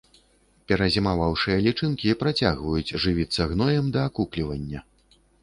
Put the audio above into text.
Перазімаваўшыя лічынкі працягваюць жывіцца гноем да акуклівання.